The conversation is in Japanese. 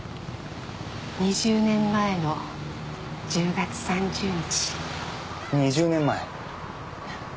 ２０年前の１０月３０日２０年前？